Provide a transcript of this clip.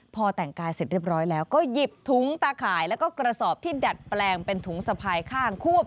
พอแต่งกายเสร็จเรียบร้อยแล้วก็หยิบถุงตาข่ายแล้วก็กระสอบที่ดัดแปลงเป็นถุงสะพายข้างควบ